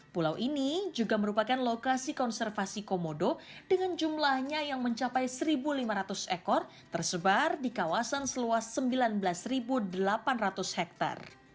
pulau ini juga merupakan lokasi konservasi komodo dengan jumlahnya yang mencapai satu lima ratus ekor tersebar di kawasan seluas sembilan belas delapan ratus hektare